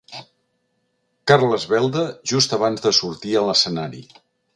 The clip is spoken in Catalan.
Carles Belda just abans de sortir a l'escenari.